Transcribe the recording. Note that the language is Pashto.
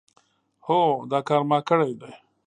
هو دا کار ما کړی دی.